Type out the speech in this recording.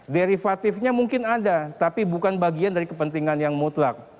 derivatifnya mungkin ada tapi bukan bagian dari kepentingan yang mutlak